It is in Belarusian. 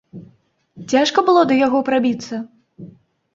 Цяжка было да яго прабіцца?